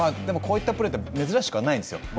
でもこういったプレーって珍しくはないんですよ。